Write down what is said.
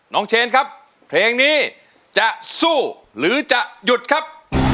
เชนครับเพลงนี้จะสู้หรือจะหยุดครับ